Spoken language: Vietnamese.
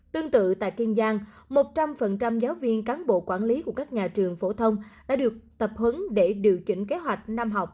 tương tự tại kiên giang một trăm linh giáo viên cán bộ quản lý của các nhà trường phổ thông đã được tập huấn để điều chỉnh kế hoạch năm học